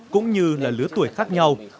cũng như là lứa tuổi khác nhau